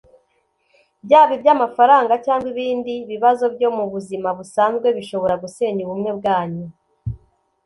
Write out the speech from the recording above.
byaba iby’amafaranga cyangwa ibindi bibazo byo mu buzima busanzwe bishobora gusenya ubumwe wanyu